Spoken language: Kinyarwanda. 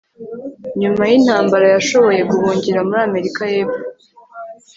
nyuma yintambara, yashoboye guhungira muri amerika yepfo